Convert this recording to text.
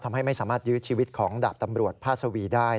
ทำให้ไม่สามารถยื้อชีวิตของดาบตำรวจพาสวีได้